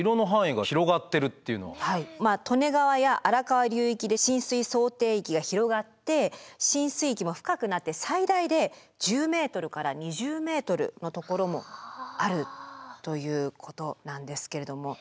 やっぱりねはい利根川や荒川流域で浸水想定域が広がって浸水域も深くなって最大で１０ｍから２０ｍの所もあるということなんですけれども。